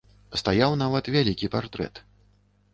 Стаяў нават вялікі партрэт.